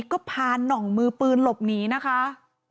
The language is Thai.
ก็พาน่องมือปืนหลบหนีนะคะ